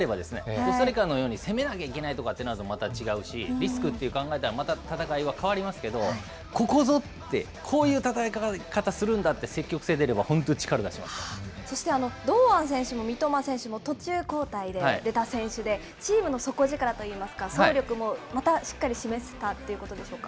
コスタリカのように攻めなきゃいけないとなるとまた違うし、リスクって考えたらまた戦いは変わりますけれども、ここぞという、こういう戦い方するんだって、積極そして、堂安選手も三笘選手も途中交代で出た選手で、チームの底力といいますか、総力もまたしっかり示せたということでしょうか。